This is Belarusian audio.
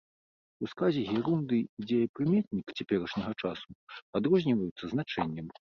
У сказе герундый і дзеепрыметнік цяперашняга часу адрозніваюцца значэннем.